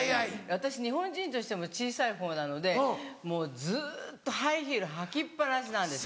私日本人としても小さいほうなのでもうずっとハイヒール履きっ放しなんですよ。